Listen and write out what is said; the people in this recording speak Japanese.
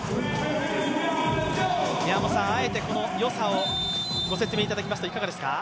あえてこのよさをご説明いただきますといかがですか？